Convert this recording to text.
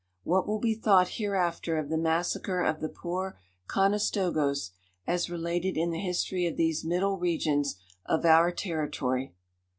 What will be thought hereafter of the massacre of the poor Conestogoes, as related in the history of these middle regions of our territory!